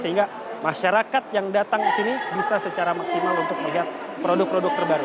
sehingga masyarakat yang datang ke sini bisa secara maksimal untuk melihat produk produk terbaru